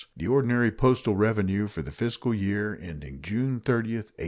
The ordinary postal revenue for the fiscal year ending June 30, 1868.